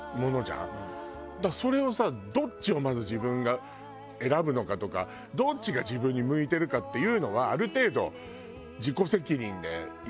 だからそれをさどっちをまず自分が選ぶのかとかどっちが自分に向いてるかっていうのはある程度。